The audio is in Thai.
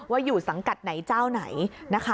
อยู่สังกัดไหนเจ้าไหนนะคะ